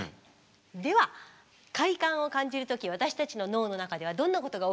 では快感を感じる時私たちの脳の中ではどんなことが起きているのか。